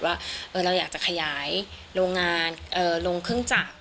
ว่าเราอยากจะขยายโรงงานลงเครื่องจักร